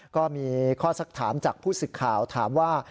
ก็มีข้อสักถามจากผู้สึกข่าวถามว่า